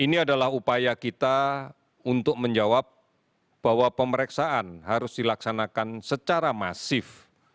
ini adalah upaya kita untuk menjawab bahwa pemeriksaan harus dilaksanakan secara masif